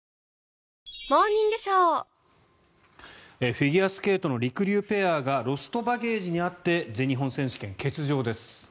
フィギュアスケートのりくりゅうペアがロストバゲージに遭って全日本選手権欠場です。